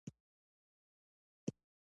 اوبه د روم په اقتصاد کې د انقلاب سبب نه شوې.